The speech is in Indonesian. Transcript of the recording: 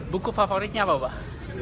buku favoritnya apa bah